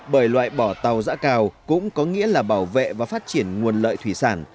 bởi loại bỏ tàu giã cào cũng có nghĩa là bảo vệ và phát triển nguồn lợi thủy sản